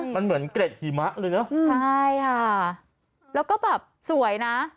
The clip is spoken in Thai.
มันเหมือนเกร็ดหิมะเลยเนอะใช่ค่ะแล้วก็แบบสวยนะ